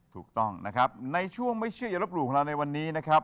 ถูกต้องนะครับในช่วงไม่เชื่ออย่าลบหลู่ของเราในวันนี้นะครับ